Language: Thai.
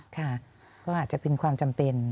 ค่ะก็อาจจะเป็นความจำเป็น